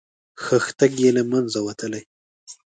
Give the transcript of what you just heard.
خښتګ یې له منځه وتلی.